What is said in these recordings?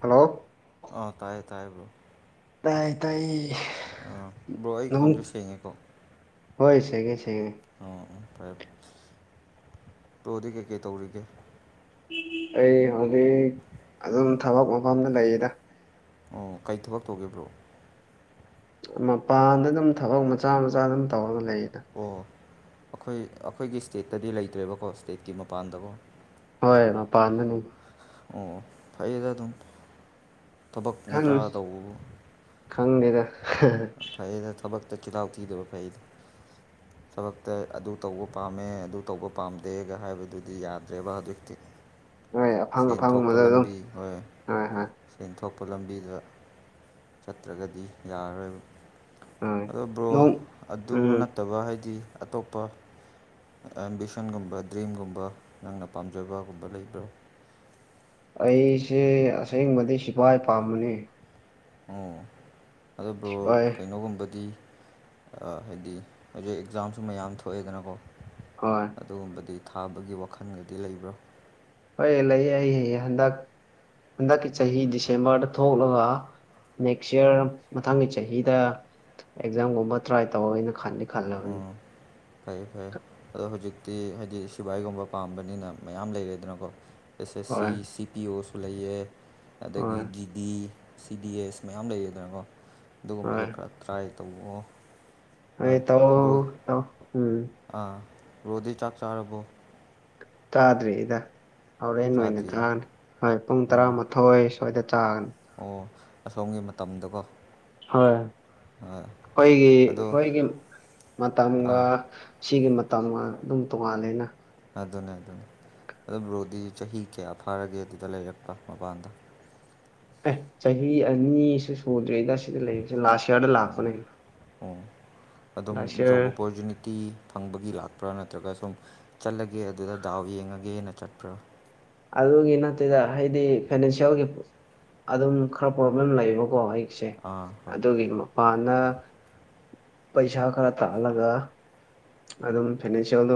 hello ꯑ ꯇꯥꯏꯌꯦ ꯇꯥꯏꯕꯨꯕꯣ ꯇꯥꯏ ꯇꯥꯏ ꯑꯥ ꯕ꯭ꯔꯣ ꯑꯩ ꯈꯣꯟꯁꯨ ꯑꯗꯨꯝ ꯁꯦꯡꯉꯦꯀꯣ ꯍꯣꯏ ꯁꯦꯒꯦ ꯁꯦꯡꯒꯦ ꯎ ꯎ ꯐꯔꯦ ꯄ꯭ꯂꯣꯗꯤ ꯀꯩꯀꯩ ꯇꯧꯔꯤꯒꯦ ꯑꯩ ꯍꯧꯖꯤꯛ ꯑꯗꯨꯝ ꯊꯕꯛ ꯃꯐꯝꯗ ꯂꯩꯔꯤꯗ ꯑꯣ ꯀꯔꯤ ꯊꯕꯛ ꯇꯧꯕ꯭ꯔꯣ ꯃꯄꯥꯟꯗ ꯑꯗꯨꯝ ꯊꯕꯛ ꯃꯆꯥ ꯃꯆꯥ ꯑꯗꯨꯝ ꯇꯧꯔꯒ ꯂꯩꯌꯦ ꯑꯣ ꯑꯩꯈꯣꯏ ꯑꯩꯈꯣꯏꯒꯤ ꯏꯁꯇꯦꯠꯇꯗꯤ ꯂꯩꯇ꯭ꯔꯦꯕꯀꯣ ꯏꯁꯇꯦꯠꯀꯤ ꯃꯄꯥꯟꯗꯀꯣ ꯍꯣꯏꯃ ꯄꯥꯟꯗꯅꯤ ꯑꯣ ꯐꯩꯗ ꯑꯗꯨꯝ ꯊꯕꯛ ꯃꯆꯥ ꯇꯧꯕ ꯈꯪꯉꯦꯗ ꯐꯩꯌꯦꯗ ꯊꯕꯛꯇ ꯆꯤꯜꯍꯥꯎ ꯊꯤꯗꯕ ꯐꯩꯗ ꯊꯕꯛꯇ ꯑꯗꯨ ꯇꯧꯕ ꯄꯥꯝꯃꯦ ꯑꯗꯨ ꯇꯧꯕ ꯄꯥꯝꯗꯦꯒ ꯍꯥꯏꯕꯗꯨꯗꯤ ꯌꯥꯗ꯭ꯔꯦꯕ ꯍꯧꯖꯤꯛꯇꯤ ꯍꯣꯏ ꯑꯐꯪ ꯁꯦꯟ ꯊꯣꯛꯣꯛꯄ ꯑꯐꯪꯕꯗ ꯑꯗꯨꯝ ꯂꯝꯕꯤ ꯍꯣꯏ ꯍꯣꯏ ꯍꯣꯏ ꯁꯦꯟꯊꯣꯛ ꯑ ꯂꯝꯕꯤꯗ ꯆꯠꯇ꯭ꯔꯒꯗꯤ ꯌꯥꯔꯔꯣꯏꯕ ꯍꯣꯏ ꯑꯗꯣ ꯕ꯭ꯔꯣ ꯅꯣꯡ ꯑꯗꯨ ꯎꯝ ꯅꯠꯇꯕ ꯍꯥꯏꯗꯤ ꯑꯇꯣꯞꯄ ꯑꯦꯝꯕꯤꯁꯟꯒꯨꯝꯕ ꯗ꯭ꯔꯤꯝꯒꯨꯝꯕ ꯅꯪꯅ ꯄꯥꯝꯖꯕꯒꯨꯝꯕ ꯂꯩꯕ꯭ꯔꯣ ꯑꯩꯁꯦ ꯑꯁꯦꯡꯕꯗꯤ ꯁꯤꯐꯥꯏ ꯄꯥꯝꯕꯅꯤ ꯑꯣ ꯑꯗꯨ ꯭ꯔꯣ ꯁꯤꯐꯥꯏ ꯀꯩꯅꯣꯒꯨꯝꯕꯗꯤ ꯍꯥꯏꯗꯤ ꯍꯧꯖꯤꯛ ꯑꯦꯛꯖꯥꯝꯁꯨ ꯃꯌꯥꯝ ꯊꯣꯛꯑꯦꯗꯅꯀꯣ ꯍꯣꯏ ꯑꯗꯨꯒꯨꯝꯕꯗꯤ ꯊꯥꯕꯒꯤ ꯋꯥꯈꯜꯒꯗꯤ ꯂꯩꯕ꯭ꯔꯥ ꯍꯣꯏ ꯂꯩꯌꯦ ꯑꯩ ꯍꯟꯗꯛ ꯍꯟꯗꯛꯀꯤ ꯆꯍꯤ ꯗꯤꯁꯦꯝꯕꯔꯗ ꯊꯣꯛꯂꯒ ꯅꯦꯛꯁ ꯏꯌꯥꯔ ꯃꯊꯪꯒꯤ ꯆꯍꯤꯗ ꯑꯦꯛꯖꯥꯝꯒꯨꯝꯕ ꯇ꯭ꯔꯥꯏ ꯇꯧꯦꯅ ꯈꯜꯂꯤ ꯎ ꯐꯩꯑꯥ ꯐꯔꯦ ꯑꯗꯣ ꯍꯧꯖꯤꯛꯇꯤ ꯁꯤꯕꯥꯏꯒꯨꯝꯕ ꯄꯥꯝꯕꯅꯤꯅ ꯃꯌꯥꯝ ꯂꯩꯔꯦꯗꯅꯀꯣ ꯑꯦꯁ ꯑꯦꯁ ꯍꯣꯏ ꯁꯤ ꯁꯤ ꯄꯤ ꯑꯣ ꯂꯩꯑ ꯑꯗꯒꯤ ꯍꯣꯏ ꯖꯤꯗꯤ ꯁꯤ ꯗꯤ ꯑꯦꯁ ꯃꯌꯥꯝ ꯂꯩꯌꯦꯗꯅꯀꯣ ꯑꯗꯨꯒꯨꯝꯕꯗꯣ ꯈꯔ ꯇ꯭ꯔꯥꯏ ꯇꯧꯣ ꯍꯥꯏ ꯇ ꯣ ꯑꯥ ꯔꯣꯗꯤ ꯆꯥꯛ ꯆꯥꯔꯕꯣ ꯆꯥꯗ꯭ꯔꯤꯗ ꯍꯣꯔꯦꯟ ꯑꯣꯏꯅ ꯆꯥꯗ꯭ꯔꯤꯌꯦ ꯆꯥꯅꯤ ꯍꯣꯏ ꯄꯨꯡ ꯑꯣ ꯇꯔꯥꯃꯥꯊꯣꯏ ꯁꯣꯏꯗ ꯑꯣ ꯑꯁꯣꯝꯒꯤ ꯃꯇꯝꯗꯀꯣ ꯍꯣꯏ ꯑꯩꯈꯣꯏꯒꯤ ꯑꯗꯣ ꯑꯩꯈꯣꯏꯒꯤ ꯃꯇꯝꯒ ꯑꯥ ꯁꯤꯒꯤ ꯇ ꯑꯗꯨꯝ ꯇꯣꯉꯜꯂꯅ ꯑꯗꯨꯅꯦ ꯑꯗꯨꯅꯦ ꯑꯗꯨꯝꯕ꯭ꯔꯣꯗꯤ ꯆꯍꯤ ꯀꯌꯥ ꯐꯥꯔꯒꯦ ꯑꯗꯨꯗ ꯂꯩꯔꯛꯄ ꯃꯄꯥꯟꯗ ꯑꯦ ꯆꯍꯤ ꯑꯅꯤꯁꯨ ꯁꯨꯗ꯭ꯔꯤꯗ ꯁꯤꯗ ꯂꯩꯔꯤꯁꯦ ꯂꯥꯁ ꯏꯌꯥꯔꯗ ꯂꯥꯛꯄꯅꯦ ꯑꯣ ꯑꯗꯨꯝ ꯂꯥꯁ ꯌꯔ ꯖꯣꯕ ꯑꯣꯄꯣꯔꯆꯨꯅꯤꯇꯤ ꯐꯪꯕꯒꯤ ꯂꯥꯛꯄ꯭ꯔꯥ ꯅꯠꯇ꯭ꯔꯒ ꯁꯨꯝ ꯆꯠꯂꯒꯦ ꯑꯗꯨꯗ ꯗꯥꯎ ꯌꯦꯡꯉꯒꯦꯅ ꯆꯠꯄ꯭ꯔꯥ ꯑꯗꯨꯒꯤ ꯅꯠꯇꯦꯗ ꯍꯥꯏꯗꯤ ꯐꯥꯏꯅꯥꯟꯁꯤꯌꯦꯦꯜꯒꯤ ꯑꯗꯨꯝ ꯈꯔ ꯄ꯭ꯔꯣꯕ꯭ꯂꯦꯝ ꯂꯩꯌꯦꯕꯀꯣ ꯑꯩꯁꯦ ꯑꯥ ꯍꯣꯏ ꯑꯗꯨꯒꯤ ꯃꯄꯥꯟꯅ ꯄꯩꯁꯥ ꯈꯔ ꯇ ꯑꯂꯒ ꯑꯗꯨꯝ ꯐꯥꯏꯅꯥꯟꯁꯤꯌꯦꯜꯗꯣ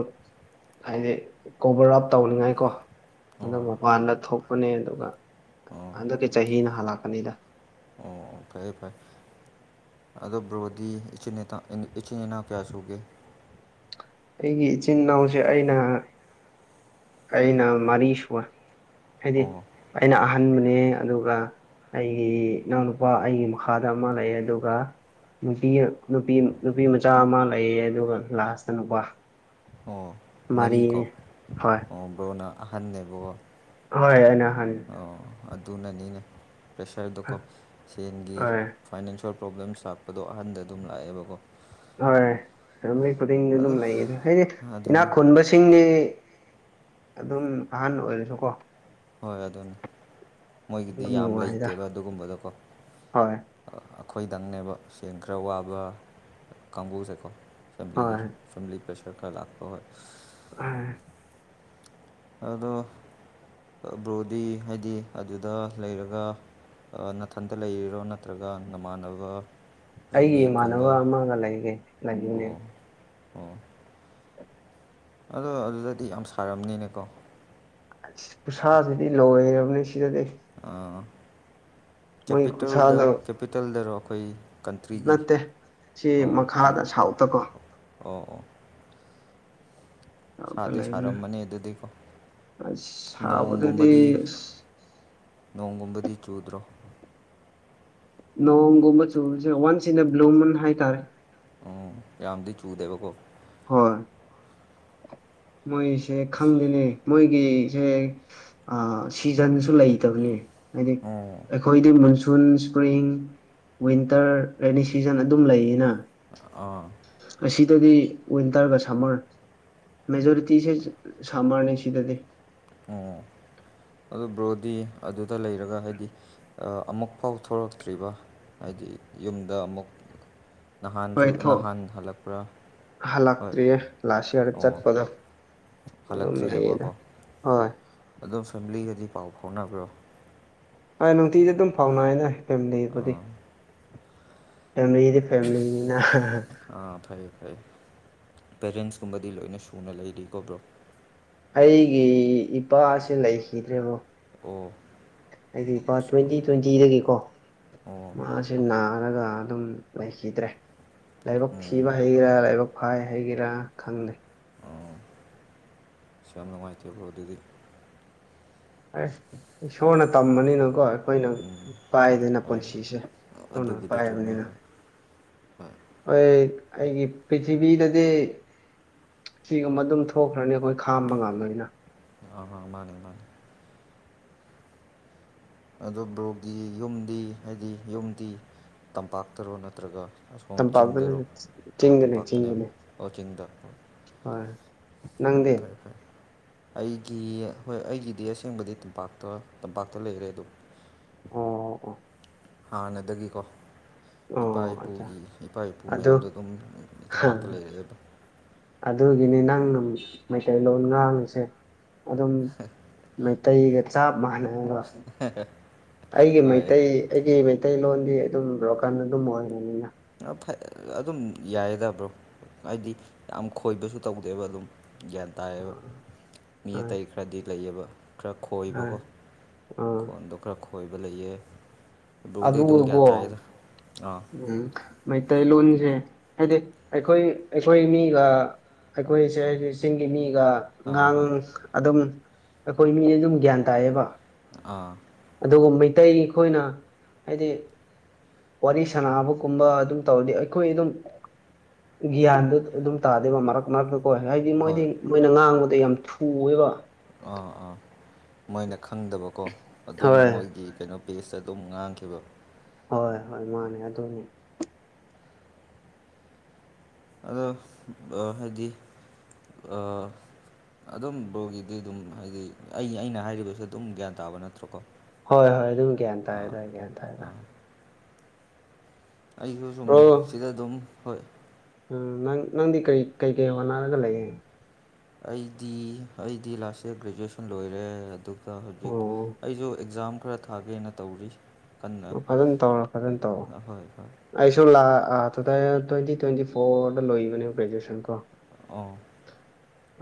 ꯍꯥꯏꯗꯤ ꯀꯣꯚꯔ ꯑꯞ ꯇꯧꯅꯤꯡꯉꯥꯏꯀꯣ ꯑꯗꯨ ꯑꯣ ꯃꯄꯥꯟꯗ ꯊꯣꯛꯄꯅꯦ ꯑꯗꯨꯒ ꯑꯣ ꯍꯟꯗꯛꯀꯤ ꯆꯍꯤꯅ ꯍꯜꯂꯛꯀꯅꯤꯗ ꯑꯣ ꯐꯔꯦ ꯐꯔꯦ ꯑꯗꯣ ꯕ꯭ꯔꯣꯗꯤ ꯏꯆꯤꯟ ꯏꯆꯤꯟ ꯏꯅꯥꯎ ꯀꯌꯥ ꯁꯨꯒꯦ ꯑꯩꯒꯤ ꯏꯆꯤꯟ ꯏꯅꯥꯎꯁꯦ ꯑꯩꯅ ꯑꯩꯅ ꯃꯔꯤ ꯁꯕ ꯍꯥꯏꯗꯤ ꯑꯣ ꯑꯩꯅ ꯈꯟꯕꯅꯦ ꯑꯗꯨꯒ ꯑꯩꯒꯤ ꯏꯅꯥꯎꯅꯨꯄꯥ ꯑꯩꯒꯤ ꯃꯈꯥꯗ ꯑꯃ ꯂꯩ ꯑꯗꯨꯒ ꯅꯨꯄꯤ ꯅꯨꯄꯤ ꯅꯨꯄꯤ ꯃꯆꯥ ꯑꯃ ꯂꯩꯌꯦ ꯑꯗꯨꯒ ꯂꯥꯁꯇ ꯅꯨꯄꯥ ꯑꯣ ꯃꯔꯤ ꯃꯔꯤꯀꯣ ꯍꯣꯏ ꯑꯣ ꯕ꯭ꯔꯣꯅ ꯑꯍꯟꯅꯦꯕ꯭ꯔꯣ ꯍꯣꯏ ꯑꯅꯍꯥꯟ ꯑꯗꯨꯅꯅꯤꯅꯦ ꯄ꯭ꯔꯦꯁꯔꯗꯣꯀꯣ ꯁꯦꯟꯒꯤ ꯍꯣꯏ ꯐꯥꯏꯅꯥꯟꯁꯤꯌꯦꯜ ꯄ꯭ꯔꯣꯕ꯭ꯂꯦꯝꯁ ꯂꯥꯛꯄꯗꯣ ꯑꯍꯟꯗ ꯑꯗꯨꯝ ꯂꯥꯛꯑꯦꯕꯀꯣ ꯍꯣꯏ ꯃꯤꯣꯏ ꯈꯨꯗꯤꯡ ꯑꯗꯨꯝ ꯑꯗꯣ ꯂꯩꯌꯦ ꯑꯗꯨ ꯍꯥꯏꯗꯤ ꯏꯅꯥꯛ ꯑꯗꯨꯅꯤ ꯈꯨꯟꯕꯁꯤꯡꯅꯤ ꯑꯗꯨꯝ ꯑꯍꯥꯟꯕ ꯑꯣꯏꯔꯁꯨꯀꯣ ꯍꯣꯏ ꯑꯗꯨꯅꯤ ꯃꯣꯏꯒꯤꯗꯤ ꯑꯗꯨꯝ ꯌꯥꯝ ꯅꯨꯡꯉꯥꯏꯗ ꯂꯩꯇꯦꯕ ꯑꯗꯨꯒꯨꯝꯕꯗꯣꯀꯣ ꯍꯣꯏ ꯑ- ꯑꯩꯈꯣꯏꯗꯪꯅꯦꯕ ꯁꯦꯜ ꯈꯔ ꯋꯥꯕ ꯀꯥꯡꯕꯨꯁꯦꯀꯣ ꯍꯣꯏ ꯐꯝꯂꯤꯒꯤ ꯐꯝꯂꯤ ꯄ꯭ꯔꯁꯨ ꯁ ꯀ ꯂꯥꯛꯄ ꯍꯣꯏ ꯑ ꯑꯗꯣ ꯕ꯭ꯔꯣꯗꯤ ꯍꯥꯏꯗꯤ ꯑꯗꯨꯗ ꯂꯩꯔꯒ ꯅꯥꯊꯟꯇ ꯂꯩꯔꯤꯔꯣ ꯅꯠꯇ꯭ꯔꯒ ꯅꯃꯥꯟꯅꯕ ꯑꯩꯒꯤ ꯏꯃꯥꯟꯅꯕ ꯔꯨꯝꯃꯦꯠꯀꯨꯝꯕ ꯑꯃꯒ ꯂꯩꯌꯦ ꯑꯣ ꯂꯩꯃꯤꯅꯩ ꯑꯣ ꯑꯗꯣ ꯑꯗꯨꯗꯗꯤ ꯌꯥꯝ ꯁꯥꯔꯝꯅꯤꯅꯦꯀꯣ ꯑꯁ ꯈꯨ ꯁꯥꯁꯤꯗꯤ ꯂꯣꯏꯔꯕꯅꯤ ꯁꯤꯗꯗꯤ ꯃꯣꯏ ꯀꯦꯄꯤꯇꯜꯗ ꯈꯨꯠꯁꯥꯗꯣ ꯀꯦꯄꯤꯇꯜꯗꯔꯣ ꯑꯩꯈꯣꯏ ꯀꯟꯇ꯭ꯔꯤꯒꯤ ꯅꯠꯇꯦ ꯁꯤ ꯑꯣ ꯃꯈꯥꯗ ꯁꯥꯎꯠꯇꯀꯣ ꯑꯣ ꯑꯣ ꯁꯥꯎꯠꯇ ꯁꯥꯗꯤ ꯂꯩꯕꯅꯦ ꯁꯥꯔꯝꯃꯅꯤ ꯑꯗꯨꯗꯤꯀꯣ ꯑꯁ ꯁꯥꯕꯗꯨꯗꯤ ꯅꯣꯡꯒꯨꯝꯕꯗꯤ ꯅꯣꯡꯒꯨꯝꯕꯗꯤ ꯆꯨꯗ꯭ꯔꯣ ꯅꯣꯡꯒꯨꯝꯕ ꯆꯨꯕꯁꯦ ꯋꯥꯟꯁ ꯏꯟ ꯑꯦ ꯕ꯭ꯂꯨ ꯃꯟ ꯍꯥꯏꯇꯥꯔꯦ ꯎꯝ ꯌꯥꯝꯗꯤ ꯆꯨꯗꯦꯕꯀꯣ ꯍꯣꯏ ꯃꯣꯏꯁꯦ ꯈꯪꯗꯦꯅꯦ ꯃꯣꯏꯒꯤꯁꯦ ꯁꯤꯖꯟꯁꯨ ꯂꯩꯇꯕꯅꯤ ꯍꯥꯏꯗꯤ ꯎꯝ ꯑꯩꯈꯣꯏꯗꯤ ꯃꯨꯟ ꯁꯖꯨꯟ ꯁ꯭ꯄ꯭ꯔꯤꯡ ꯋꯤꯟꯇꯔ ꯔꯦꯅꯤ ꯁꯤꯖꯟ ꯑꯗꯨꯝ ꯂꯩꯌꯦꯅ ꯑꯥ ꯑꯁꯤꯗꯗꯤ ꯋꯤꯟꯇꯔꯒ ꯁꯝꯃꯔ ꯃꯦꯖꯣꯔꯤꯇꯤꯁꯦ ꯁꯃꯔ ꯅꯦ ꯁꯤꯗꯗꯤ ꯑꯣ ꯑꯗꯨ ꯕ꯭ꯔꯣꯗꯤ ꯑꯗꯨꯗ ꯂꯩꯔꯒ ꯍꯥꯏꯗꯤ ꯑꯃꯨꯛꯐꯥꯎ ꯊꯣꯛꯔꯛꯇ꯭ꯔꯤꯕ ꯍꯥꯏꯗꯤ ꯌꯨꯝꯗ ꯑꯃꯨꯛ ꯅꯍꯥꯟꯁꯨ ꯍꯣꯏꯊ ꯅꯍꯥꯟ ꯍꯜꯂꯛꯄ꯭ꯔꯥ ꯍꯣꯏ ꯍꯜꯂꯛꯇ꯭ꯔꯤꯌꯦ ꯂꯥꯁ ꯏꯌꯥꯔꯗ ꯑꯣ ꯆꯠꯄꯗꯣ ꯑꯗꯨꯝ ꯂꯩꯌꯦꯗ ꯍꯜꯂꯛꯇ꯭ꯔꯤꯑꯕꯀꯣ ꯍꯣꯏ ꯑꯗꯨꯝ ꯐꯦꯃꯤꯂꯤꯒꯗꯤ ꯄꯥꯎ ꯐꯥꯎꯅꯕ꯭ꯔꯣ ꯅꯨꯡꯇꯤꯒꯤ ꯑꯗꯨꯝ ꯐꯥꯎꯅꯏꯅ ꯐꯦꯃꯤꯂꯤꯕꯨꯗꯤ ꯑꯥ ꯐꯦꯃꯤꯂꯤꯗꯤ ꯐꯦꯃꯤꯂꯤꯅꯤꯅꯥ ꯍꯣꯏ ꯄꯦꯔꯦꯟꯁꯀꯨꯝꯕꯗꯤ ꯂꯣꯏꯅ ꯁꯨꯅ ꯂꯩꯔꯤꯀꯣ ꯕ꯭ꯔꯣ ꯑꯩꯒꯤ ꯏꯄꯥꯁꯦ ꯂꯩꯈꯤꯗ꯭ꯔꯦꯕꯣ ꯑꯣ ꯍꯥꯏꯗꯤꯄꯥ ꯑꯁ ꯕ꯭ꯔꯣ ꯇ꯭ꯋꯦꯟꯇꯤ ꯇ꯭ꯋꯦꯟꯇꯤꯗꯒꯤꯀꯣ ꯑꯣ ꯃꯥꯁꯤꯅꯥ ꯈ ꯑꯗꯨꯝ ꯂꯩꯈꯤꯗ꯭ꯔꯦ ꯂꯥꯏꯕꯛ ꯎꯝ ꯊꯤꯕ ꯍꯩꯒꯔꯥ ꯂꯥꯏꯕꯛ ꯐꯥꯏ ꯍꯥꯏꯒꯦꯔꯥ ꯈꯪꯗꯦ ꯑꯣ ꯑ ꯌꯥꯝ ꯅꯨꯡꯉꯥꯏꯇꯦꯕꯣ ꯑꯗꯨꯗꯤ ꯑꯁ ꯏꯁꯣꯔꯅ ꯇꯝꯕꯥꯅꯤꯅꯀꯣ ꯑꯩꯈꯣꯏꯅ ꯎꯝ ꯄꯥꯏꯗꯅ ꯍꯣꯏ ꯄꯨꯟꯁꯤꯁꯦ ꯍꯣꯏ ꯏꯁꯣꯔ ꯅꯥ ꯑꯗꯨꯕꯨꯗꯤ ꯆꯨꯝꯃꯦ ꯄꯥꯏꯔꯕꯅꯤꯅ ꯍꯣꯏ ꯍꯣꯏ ꯍꯣꯏ ꯑꯩꯒꯤ ꯄꯤꯔꯤꯊꯤꯕꯤꯗꯗꯤ ꯁꯤꯒꯨꯝꯕ ꯑꯗꯨꯝ ꯊꯣꯛꯈ꯭ꯔꯅꯤ ꯑꯩꯈꯣꯏ ꯈꯥꯝꯕ ꯉꯝꯗꯣꯏꯅ ꯑ ꯃꯥꯅꯦ ꯃꯥꯅꯦ ꯑꯗꯣ ꯕꯔꯣꯒꯤ ꯌꯨꯝꯗꯤ ꯍꯥꯏꯗꯤ ꯌꯨꯝꯗꯤ ꯇꯝꯄꯥꯛꯇꯔꯣ ꯅꯠꯇ꯭ꯔꯒ ꯑꯁꯣꯝ ꯇꯝꯄꯥꯛꯇꯅ ꯆꯤꯡꯗꯔꯣ ꯑꯣ ꯆꯤꯡꯗꯅꯦ ꯇꯝꯄꯥꯛꯇꯅꯦꯕ ꯆꯤꯡꯗꯅꯦ ꯑꯣ ꯆꯤꯡꯗ ꯍꯣꯏ ꯎꯝ ꯅꯪꯗꯤ ꯐꯔꯦ ꯐꯔꯦ ꯑꯩꯒꯤ ꯍꯣꯏ ꯑꯩꯒꯤꯗꯤ ꯑꯁꯦꯡꯕꯗꯤ ꯇꯝꯄꯥꯛꯇ ꯇꯝꯄꯥꯛꯇ ꯂꯩꯈꯔꯦ ꯑꯗꯨꯗ ꯑꯣ ꯑꯣ ꯍꯥꯟꯅꯗꯒꯤꯀꯣ ꯏꯄꯥ ꯑꯣ ꯑꯠꯆꯥ ꯏꯄꯨꯒꯤ ꯏꯄꯥ ꯏꯄꯨ ꯑꯗꯨ ꯃꯌꯥꯝꯗꯣ ꯑꯗꯨꯝ ꯇꯝꯄꯥꯛꯇ ꯂꯩꯔꯛꯑꯦꯕ ꯑꯗꯨꯗꯒꯅꯦ ꯅꯪ ꯃꯩꯇꯩꯂꯣꯟ ꯉꯥꯡꯁꯦ ꯑꯗꯨꯝ ꯃꯩꯇꯩꯒ ꯆꯞ ꯃꯥꯟꯅ [inaudible] ꯑꯩꯒꯤ ꯍꯣꯏ ꯃꯩꯇꯩ ꯑꯩꯒꯤ ꯃꯩꯇꯩꯂꯣꯟꯗꯤ ꯑꯗꯨꯝ ꯕ꯭ꯔꯣꯀꯟ ꯑꯗꯨꯝ ꯑꯣꯏꯔꯅꯤꯅ ꯑ ꯐ ꯑꯗꯨꯝ ꯌꯥꯏꯗꯕ꯭ꯔꯣ ꯍꯥꯏꯗꯤ ꯌꯥꯝ ꯈꯣꯏꯕꯁꯨ ꯇꯧꯗꯦꯕ ꯑꯗꯨꯝ ꯒ꯭ꯌꯥꯟ ꯇꯥꯏꯌꯦꯕ ꯃꯤ ꯑꯇꯩ ꯈꯔꯗꯤ ꯂꯩꯌꯦꯕ ꯈꯔ ꯑꯥ ꯈꯣꯏꯕꯀꯣ ꯈꯣꯟꯗꯣ ꯈꯔ ꯈꯣꯏꯕ ꯂꯩꯌꯦ ꯕ꯭ꯔꯣꯗꯤ ꯑꯗꯨ ꯑꯗꯨꯝ ꯀꯣ ꯒ꯭ꯌꯥꯟ ꯇꯥꯏꯗ ꯑꯥ ꯎꯝ ꯃꯩꯇꯩꯂꯣꯟꯁꯦ ꯍꯥꯏꯗꯤ ꯑꯩꯈꯣꯏ ꯑꯩꯈꯣꯏ ꯃꯤꯒ ꯑꯩꯈꯣꯏꯁꯦ ꯍꯥꯏꯁꯦ ꯆꯤꯡꯒꯤ ꯃꯤ ꯑꯗꯨꯒ ꯑꯥ ꯑꯥꯡ ꯍꯣꯏ ꯑꯗꯨꯝ ꯑꯩꯈꯣꯏ ꯃꯤꯅ ꯑꯗꯨꯝ ꯒ꯭ꯌꯥꯟ ꯇꯥꯏꯌꯦꯕ ꯑꯥ ꯑꯗꯨꯒ ꯃꯩꯇꯩ ꯑꯩꯈꯣꯏꯅ ꯍꯥꯏꯗꯤ ꯋꯥꯔꯤ ꯁꯥꯟꯅꯕꯒꯨꯝꯕ ꯑꯗꯨꯝ ꯇꯧꯗꯤ ꯑꯩꯈꯣꯏ ꯑꯗꯨꯝ ꯒ꯭ꯌꯥꯟꯗꯨ ꯑꯗꯨꯝ ꯇꯥꯗꯦꯕ ꯃꯔꯛ ꯃꯔꯛꯇ ꯍꯣꯏ ꯍꯥꯏꯗꯤ ꯃꯣꯏꯗꯤ ꯍꯣꯏ ꯃꯣꯏꯅ ꯉꯥꯡꯕꯗ ꯌꯥꯝ ꯊꯨꯑꯦꯕ ꯑꯥ ꯑꯥ ꯃꯣꯏꯅ ꯈꯪꯗꯕꯀꯣ ꯑꯗꯨꯝ ꯍꯣꯏ ꯃꯣꯏꯒꯤ ꯀꯩꯅꯣ ꯄꯁ ꯑꯗꯨꯝ ꯉꯥꯡꯈꯤꯕ ꯍꯣꯏ ꯍꯣꯏ ꯃꯥꯅꯦ ꯑꯗꯨꯅꯤ ꯑꯗꯣ ꯍꯥꯏꯗꯤ ꯑꯗꯨꯝ ꯕ꯭ꯔꯣꯒꯤꯗꯤ ꯑꯗꯨꯝ ꯍꯥꯏꯗꯤ ꯑꯩ ꯑꯩꯅ ꯍꯥꯏꯔꯤꯕꯁꯤꯦ ꯑꯗꯨꯝ ꯒ꯭ꯌꯥꯟ ꯇꯥꯕ ꯅꯠꯇ꯭ꯔꯣꯀꯣ ꯍꯣꯏ ꯍꯣꯏ ꯑꯗꯨꯝ ꯒ꯭ꯌꯥꯟ ꯇꯥꯦ ꯑꯥ ꯇꯔ ꯒ꯭ꯌꯥꯟ ꯇꯥꯦ ꯇ ꯑꯥ ꯑꯩꯁꯨ ꯁꯨꯝ ꯁꯤꯗ ꯑꯗꯨꯝ ꯍꯣꯏ ꯎ ꯅꯪ ꯅꯪꯗꯤ ꯀꯔꯤ ꯀꯩꯀꯩ ꯋꯥꯅꯔꯒ ꯂꯩꯌꯦꯦ ꯑꯩꯗꯤ ꯑꯩꯗꯤ ꯂꯥꯁ ꯏꯌꯥꯔ ꯒ꯭ꯔꯦꯖꯨꯑꯦꯁꯟ ꯂꯣꯏꯔꯦ ꯑꯗꯨ ꯑ ꯍꯧꯖꯤꯛ ꯑꯣ ꯑꯩꯁꯨ ꯑꯦꯛꯖꯥꯝ ꯈꯔ ꯊꯥꯒꯦꯅ ꯇꯧꯔꯤ ꯀꯟꯅ ꯑꯣ ꯐꯖꯅ ꯇꯧꯔ ꯐꯖꯅ ꯇꯧꯑꯣ ꯍꯣꯏ ꯍꯣꯏ ꯑꯩꯁꯨ ꯂꯥꯛ ꯑꯥ ꯑꯗꯨꯗ ꯇ꯭ꯋꯦꯟꯇꯤ ꯇ꯭ꯋꯦꯟꯇꯤ ꯐꯣꯔꯗ ꯂꯣꯏꯕꯅꯦ ꯭ꯔꯦꯖꯨꯋꯦꯁꯟ ꯀꯣ ꯑ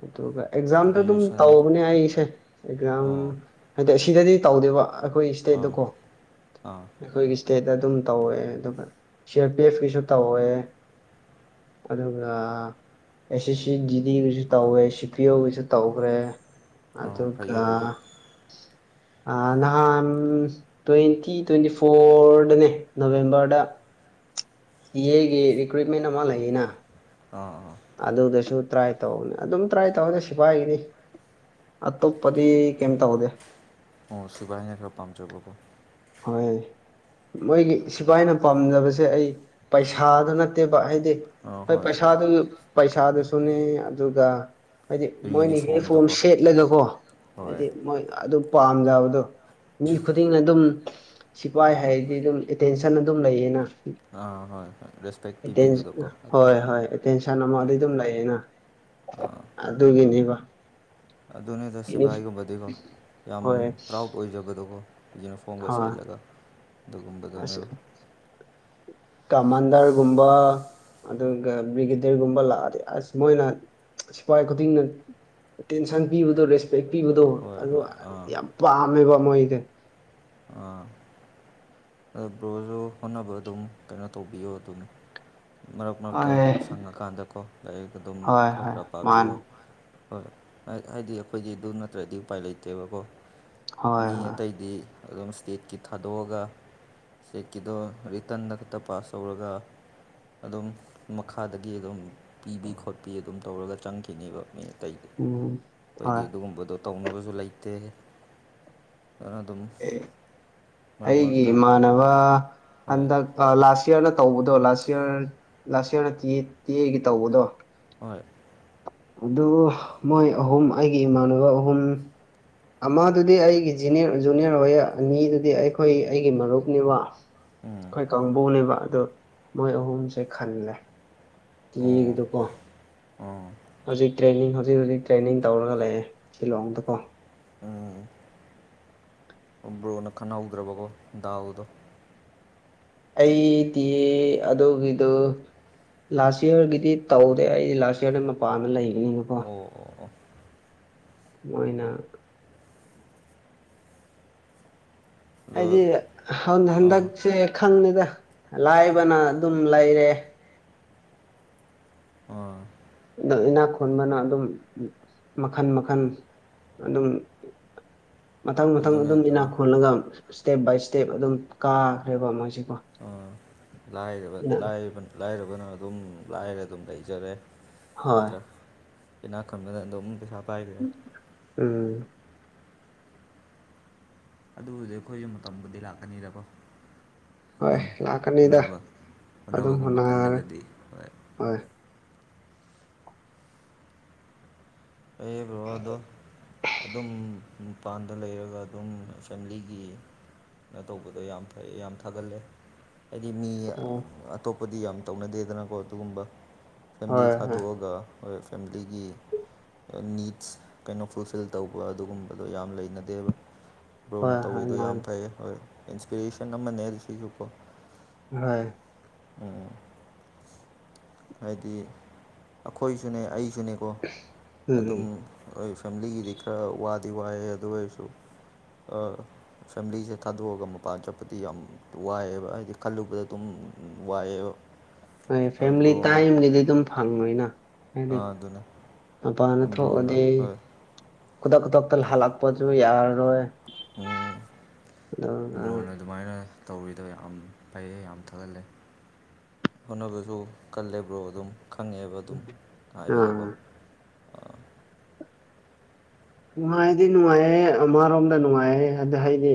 ꯑꯗꯨꯒ ꯑꯦꯛꯖꯥꯝꯗ ꯑꯗꯨꯝ ꯇꯧꯧꯕꯅꯦ ꯑꯩꯁꯦ ꯑꯦꯛꯖꯥꯝ ꯑꯣ ꯍꯥꯏꯗꯤ ꯑꯁꯤꯗꯗꯤ ꯇꯧꯗꯦꯕ ꯑꯩꯈꯣꯏ ꯑꯥ ꯏꯁꯇꯦꯠꯇ ꯀꯣ ꯑꯥ ꯑꯩꯈꯣꯏꯒꯤ ꯏꯁꯇꯦꯠꯇ ꯑꯗꯨꯝ ꯇꯧꯋꯦ ꯑꯗꯨꯒ ꯁꯤ ꯑꯥꯔ ꯄꯤ ꯑꯦꯐꯀꯤꯁꯨ ꯇꯧꯋꯦ ꯑ ꯑꯦꯁ ꯑꯦꯁ ꯗꯤꯗꯤꯒꯤꯁꯨ ꯇꯧꯋꯦ ꯁꯤ ꯄꯤ ꯑꯣꯒꯤꯁꯨ ꯇꯧꯈ꯭ꯔꯦ ꯑꯣ ꯑꯗꯨꯒ ꯐꯩꯌꯦ ꯑꯗꯨꯗꯤ ꯑ ꯅꯍꯥꯟ ꯇ꯭ꯋꯦꯟꯇꯤ ꯇ꯭ꯋꯦꯟꯇꯤ ꯐꯣꯔꯗꯅꯦ ꯅꯕꯦꯝꯕꯔꯗ ꯏ ꯑꯦꯒꯤ ꯔꯤꯀ꯭ꯔꯨꯏꯠꯃꯦꯟ ꯑꯃ ꯂꯩꯌꯦꯅ ꯑꯥ ꯑꯥ ꯑꯗꯨꯗꯁꯨ ꯇ꯭ꯔꯥꯏ ꯇꯧꯕꯅꯦ ꯑꯗꯨꯝ ꯇ꯭ꯔꯥꯏ ꯇꯧꯕꯗ ꯁꯤꯐꯥꯏꯒꯤꯅꯤ ꯑꯠꯇ ꯄꯔꯤ ꯀꯝ ꯇꯥꯎꯗꯦ ꯑꯣ ꯁꯤꯕꯥ ꯍꯉ ꯈꯔ ꯄꯥꯝꯖꯕꯕꯣ ꯍꯣꯏ ꯃꯣꯏꯒꯤ ꯁꯤꯐꯥꯏꯅ ꯄꯥꯝꯖꯕꯁꯦ ꯑꯩ ꯄꯩꯁꯥꯗꯨ ꯅꯠꯇꯦꯕ ꯍꯥꯏꯗꯤ ꯍꯣꯏ ꯄꯩꯁꯥꯗꯨ ꯄꯩꯁꯥꯗꯨꯁꯨꯅꯦ ꯑꯗꯨꯒ ꯍꯥꯏꯗꯤ ꯃꯣꯏꯅ ꯍꯔꯐꯣꯝ ꯌꯨꯅꯤꯐꯣꯔꯝꯗꯀꯣ ꯁꯦꯠꯂꯒꯀꯣ ꯍꯣꯏ ꯍꯥꯏꯗꯤ ꯃꯣꯏ ꯑꯗꯨꯝ ꯄꯥꯝꯗꯕꯗꯣ ꯃꯤ ꯈꯨꯗꯤꯡꯅ ꯑꯗꯨꯝ ꯁꯤꯐꯥꯏ ꯍꯥꯏꯔꯗꯤ ꯑꯗꯨꯝ ꯑꯦꯇꯦꯟꯁꯟ ꯑꯗꯨꯝ ꯂꯩꯌꯦꯅ ꯑꯥ ꯍꯣꯏ ꯍꯣꯏ ꯔꯦꯁꯄꯦꯛ ꯄꯤꯕꯤꯕꯗꯣꯀꯣ ꯍꯣꯏ ꯍꯣꯏ ꯑꯦꯇꯦꯟꯁꯟ ꯑꯃ ꯑꯗꯨ ꯑꯗꯨꯝ ꯂꯩꯌꯦꯅ ꯑꯗꯨꯒꯤꯅꯦꯕ ꯑꯗꯨꯅꯦ ꯇ ꯌꯨꯅꯤꯐ ꯁꯤꯚꯥꯏꯒꯨꯝꯕꯗꯤꯀꯣ ꯌꯥꯝ ꯍꯣꯏ ꯄ꯭ꯔꯥꯎꯠ ꯑꯣꯏꯖꯕꯗꯣꯀꯣ ꯌꯨꯅꯤꯐꯣꯔꯝꯒ ꯍꯣꯏ ꯁꯠꯂꯒ ꯑꯁ ꯑꯗꯨꯒꯨꯝꯕꯗꯨꯅꯦꯕ ꯀꯃꯥꯟꯗꯔꯒꯨꯝꯕ ꯑꯗꯨꯒ ꯕ꯭ꯔꯤꯒꯦꯗꯤꯔꯒꯨꯝꯕ ꯂꯥꯛꯑꯗꯤ ꯑꯁ ꯃꯣꯏꯅ ꯁꯤꯐꯥꯏ ꯈꯨꯗꯤꯡꯅ ꯑꯦꯇꯦꯟꯁꯟ ꯄꯤꯕꯗꯣ ꯔꯦꯁꯄꯦꯛ ꯄꯤꯕꯗꯣ ꯍꯣꯏ ꯑꯗꯨ ꯍꯣꯏ ꯑꯥ ꯌꯥꯝ ꯄꯥꯝꯃꯦꯕ ꯃꯣꯏꯁ ꯑꯥ ꯑꯗ ꯕ꯭ꯔꯣꯁꯨ ꯍꯣꯠꯅꯕ ꯑꯗꯨꯝ ꯀꯩꯅꯣ ꯇꯧꯕꯤꯌꯣ ꯑꯗꯨꯝ ꯃꯔꯛ ꯃꯔꯛꯇ ꯍꯣꯏ ꯁꯪꯉꯀꯥꯟꯗꯀꯣ ꯂꯥꯏꯔꯤꯛ ꯑꯗꯨꯝ ꯍꯣꯏ ꯈꯔ ꯍꯣꯏ ꯈꯔ ꯄꯥꯕꯤꯌꯨ ꯃꯥꯅꯦ ꯍꯣꯏ ꯍꯣꯏ ꯍꯥꯏꯗꯤ ꯑꯩꯈꯣꯏꯗꯤ ꯑꯗꯨ ꯅꯠꯇ꯭ꯔꯗꯤ ꯎꯄꯥꯏ ꯂꯩꯇꯦꯕꯀꯣ ꯍꯣꯏ ꯃꯤ ꯍꯣꯏ ꯑꯇꯩꯗꯤ ꯑꯗꯨꯝ ꯏꯁꯇꯦꯠꯀꯤ ꯊꯥꯗꯣꯛꯑꯒ ꯁꯦꯛꯀꯤꯗꯣ ꯔꯤꯇꯟꯗ ꯈꯛꯇ ꯄꯥꯁ ꯇꯧꯔꯒ ꯑꯗꯨꯝ ꯃꯈꯥꯗꯒꯤ ꯑꯗꯨꯝ ꯄꯤꯕꯤ ꯈꯣꯠꯄꯤ ꯑꯗꯨꯝ ꯇꯧꯔꯒ ꯆꯪꯈꯤꯅꯦꯕ ꯃꯤ ꯀꯩ ꯎꯝ ꯑꯩꯈꯣꯏꯒꯤ ꯍꯣꯏ ꯑꯗꯨꯒꯨꯝꯕꯗꯣ ꯇꯧꯅꯕꯁꯨ ꯂꯩꯇꯦ ꯑꯗꯨ ꯑꯗꯨꯝ ꯑꯦ ꯃꯔꯛ ꯑꯩꯒꯤ ꯃꯔꯛꯇ ꯃꯥꯅꯋꯥ ꯍꯣꯏ ꯑꯗ ꯂꯥꯁ ꯏꯌꯥꯔ ꯇꯧꯕꯗꯣ ꯂꯥꯁ ꯏꯔ ꯂꯥꯁ ꯏꯔꯗ ꯇꯤ ꯑꯦꯒꯤ ꯇꯧꯕꯗꯣ ꯍꯣꯏ ꯑꯗꯨ ꯃꯣꯏ ꯑꯍꯨꯝ ꯑꯩꯒꯤ ꯏꯃꯥꯟꯅꯕ ꯑꯍꯨꯝ ꯑꯃꯗꯨꯗꯤ ꯑꯩꯒꯤ ꯖꯨꯅꯤꯌꯔ ꯑꯣꯏꯌꯦ ꯑꯅꯤꯗꯨꯗꯤ ꯑꯩ ꯑꯩꯈꯣꯏ ꯑꯩꯒꯤ ꯃꯔꯨꯞꯅꯦꯕ ꯎꯝ ꯑꯩꯈꯣꯏ ꯀꯥꯡꯕꯨꯅꯦꯕ ꯑꯗ ꯃꯣꯏ ꯑꯍꯨꯝꯁꯦ ꯈꯜꯂꯦ ꯑꯣ ꯌꯦꯒꯗꯀꯣ ꯑꯣ ꯍꯧꯖꯤꯛ ꯇ꯭ꯔꯦꯅꯤꯡ ꯍꯧꯖꯤꯛ ꯍꯧꯖꯤꯛ ꯍꯧꯖꯤꯛ ꯇ꯭ꯔꯦꯅꯤꯡ ꯇꯧꯔꯒ ꯂꯩꯑꯦ ꯁꯤꯂꯣꯡꯝꯗꯀꯣ ꯎꯝ ꯕ꯭ꯔꯣꯅ ꯈꯟꯅꯍꯧꯗ꯭ꯔꯕꯀꯣ ꯗꯥꯗꯣ ꯑꯩ ꯇꯤ ꯑꯗꯨꯒꯤꯗꯨ ꯂꯥꯁ ꯏꯌꯥꯔꯒꯤꯗꯤ ꯇꯧꯔꯦ ꯑꯩꯗꯤ ꯂꯥꯁ ꯏꯔꯗ ꯃꯄꯥꯟꯗ ꯂꯩ ꯑꯣ ꯑꯣ ꯃꯣꯏꯅꯛ ꯑꯗꯣ ꯍꯥꯏꯗꯤ ꯑꯥ ꯍꯟꯗꯛꯁꯦ ꯈꯪꯅꯤꯦꯗ ꯂꯥꯏꯕꯅ ꯑꯗꯨꯝ ꯂꯩꯔꯦ ꯑꯥ ꯑꯣ ꯏꯅꯥꯛ ꯈꯨꯣꯟꯕꯅ ꯑꯗꯨꯝ ꯃꯈꯜ ꯃꯈꯜ ꯑꯗꯨꯝ [unintelligible] ꯃꯊꯪ ꯃꯊꯪ ꯑꯗꯨꯅꯦ ꯑꯗꯨꯝ ꯏꯅꯥꯛ ꯑꯗꯨꯅꯦ ꯈꯣꯜꯂꯒ ꯏꯁꯇꯦꯞ ꯕꯥꯏ ꯏꯁꯇꯦꯞ ꯑꯗꯨꯝ ꯀꯥꯈ꯭ꯔꯦꯕ ꯃꯣꯏꯁꯤꯦꯀꯣ ꯔꯕ ꯂꯥꯏꯔꯕꯅ ꯑꯗꯨꯝ ꯂꯥꯏꯔ ꯑꯗꯨꯝ ꯂꯩꯖꯔꯦ ꯍꯣꯏ ꯠꯇ꯭ꯔ ꯏꯅꯥ ꯈꯝꯗ ꯄꯩꯁꯥ ꯄꯥꯏꯈ꯭ꯔꯦ ꯎꯝ ꯑꯗꯨꯕꯨꯗꯤ ꯑꯩꯈꯣꯏꯁꯨ ꯃꯇꯝꯕꯨꯗꯤ ꯂꯥꯛꯀꯅꯤꯗꯀꯣ ꯍꯣꯏ ꯑꯗꯨꯝ ꯂꯥꯛꯀꯅꯤꯗ ꯍꯣꯠꯅꯕ ꯑꯗꯨꯝ ꯍꯣꯠꯅꯕꯒꯨꯝꯕ ꯍꯣꯟꯅꯔꯦ ꯀꯜꯂꯒꯗꯤ ꯍꯣꯏ ꯑꯩꯕ꯭ꯔꯣꯗꯣ ꯑꯗꯨꯝ ꯃꯄꯥꯟꯗ ꯂꯩꯔꯒ ꯑꯗꯨꯝ ꯐꯦꯃꯤꯂꯤꯒꯤ ꯅ ꯇꯧꯕꯗꯣ ꯌꯥꯝ ꯐꯩ ꯌꯥꯝ ꯊꯥꯒꯠꯂꯦ ꯍꯥꯏꯗꯤ ꯃꯤ ꯑꯣ ꯑꯇꯣꯞꯄꯗꯤ ꯌꯥꯝ ꯇꯧꯅꯗꯦꯗꯅꯀꯣ ꯑꯗꯨꯒꯨꯝꯕ ꯐꯦꯂꯤ ꯍꯣꯏ ꯍꯣꯏ ꯊꯥꯗꯣꯛꯑꯒꯣꯏ ꯐꯦꯃꯤꯂꯤꯒꯤ ꯅꯤꯠꯁ ꯀꯩꯅꯣ ꯐꯨꯜꯐꯤꯜ ꯇꯧꯕ ꯑꯗꯨꯒꯨꯝꯕꯗꯣ ꯌꯥꯝ ꯂꯩꯅꯗꯦꯕ ꯕ꯭ꯔꯧꯅ ꯍꯣꯏ ꯍꯣꯏ ꯇꯧꯕꯤꯗꯣ ꯌꯥꯝ ꯃꯥꯅꯦ ꯐꯩ ꯍꯣꯏ ꯏꯟꯁꯄꯤꯔꯦꯁꯟ ꯑꯃꯅꯦ ꯁꯤꯁꯨꯀꯣ ꯍꯣꯏ ꯎꯝ ꯍꯥꯏꯗꯤ ꯑꯩꯈꯣꯏꯁꯨꯅꯦ ꯑꯩ ꯁꯨꯅꯦꯀꯣ ꯎꯝ ꯎꯝ ꯑꯗꯨꯝꯣꯏ ꯐꯦꯃꯤꯂꯤꯒꯤꯗꯤ ꯈꯔ ꯋꯥ ꯇꯗꯤꯋꯥꯑ ꯑꯗꯨ ꯑꯣꯏꯩꯁꯨꯨ ꯑ ꯐꯦꯃꯤꯂꯤꯁꯦ ꯊꯥꯗꯣꯛꯑꯒ ꯃꯄꯥꯟ ꯆꯠꯄꯗꯤ ꯌꯥꯝ ꯋꯥꯏꯑꯦꯕ ꯍꯥꯏꯗꯤ ꯈꯜꯂꯨꯕꯗ ꯑꯗꯨꯝ ꯋꯥꯏ ꯍꯣꯏ ꯐꯦꯃꯤꯂꯤ ꯇꯥꯏꯝꯒꯤꯗꯤ ꯑꯗꯨꯝ ꯐꯪꯉꯣꯏꯅ ꯍꯥꯏꯗꯤ ꯑꯗꯨꯅ ꯃꯄꯥꯅ ꯊꯣꯛꯑꯗꯤ ꯕ꯭ꯔꯣꯅ ꯍꯣꯏ ꯇꯇ ꯍꯜꯂꯛꯄꯁꯨ ꯌꯥꯔꯔꯣꯏ ꯎ ꯑꯗꯨꯒ ꯂꯣꯅ ꯑꯗꯨꯃꯥꯏꯅ ꯇꯧꯔꯤꯗꯣ ꯌꯥꯝ ꯐꯩꯌꯦꯦ ꯌꯥꯝ ꯊꯥꯒꯠꯂꯦ ꯍꯣꯠꯅꯕꯁꯨ ꯀꯜꯂꯦꯕ꯭ꯔꯣ ꯑꯗꯨꯝ ꯈꯪꯉꯦꯕ ꯑꯗꯨꯝ ꯍꯥꯏꯕꯗꯀꯣ ꯑꯥ ꯅꯨꯡꯉꯥꯏꯗꯤ ꯅꯨꯡꯉꯥꯏꯌꯦꯦ ꯑꯃꯔꯣꯝꯗ ꯅꯨꯡꯉꯥꯏꯌꯦ ꯑꯗ ꯍꯥꯏꯗꯤ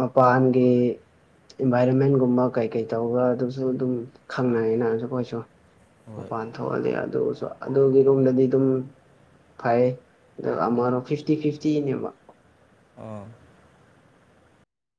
ꯃꯄꯥꯟꯒꯤ ꯏꯟꯚꯥꯏꯔꯣꯟꯃꯦꯟꯒꯨꯝꯕ ꯀꯩꯀꯩ ꯇꯧꯕ ꯑꯗꯨꯁꯨ ꯑꯗꯨꯝ ꯈꯪꯅꯩꯅ ꯑꯩꯈꯣꯏꯁꯨ ꯍꯣꯏ ꯃꯄꯥꯟ ꯊꯣꯛꯍꯂ ꯑꯗꯨꯁꯨ ꯑꯗꯨꯒꯤ ꯔꯨꯝꯗꯗꯤ ꯑꯗꯨꯝ ꯐꯩ ꯑꯗꯨꯒ ꯑꯃꯔꯣ ꯐꯤꯐꯇꯤ ꯐꯤꯐꯇꯤꯅꯦꯕ ꯑꯥ